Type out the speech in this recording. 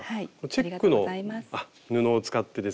チェックの布を使ってですね